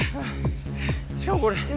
しかもこれ。